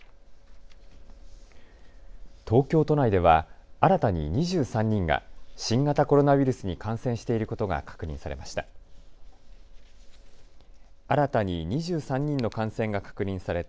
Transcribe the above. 東京都内では新たに２３人が新型コロナウイルスに感染していることが確認されました。